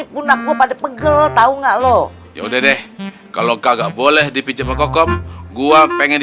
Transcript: paku paku dicabutin dong